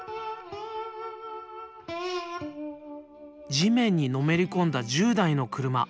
地面にのめり込んだ１０台の車。